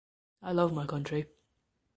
I love my country.